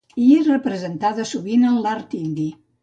I és representada sovint en l'art indi.